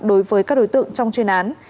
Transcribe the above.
đối với các đối tượng trong chuyên án